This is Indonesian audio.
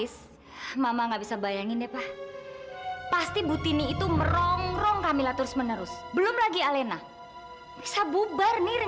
sampai jumpa di video selanjutnya